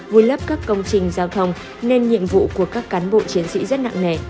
vùi lấp các công trình giao thông nên nhiệm vụ của các cán bộ chiến sĩ rất nặng nề